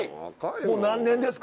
もう何年ですか？